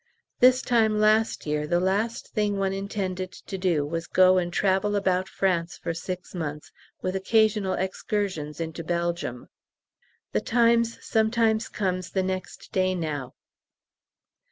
This time last year the last thing one intended to do was to go and travel about France for six months, with occasional excursions into Belgium! 'The Times' sometimes comes the next day now.